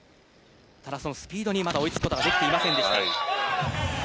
ただ、そのスピードにまだ追いついていくことができていませんでした。